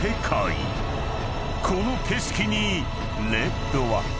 ［この景色にレッドは］